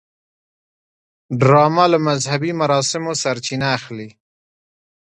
ډرامه له مذهبي مراسمو سرچینه اخلي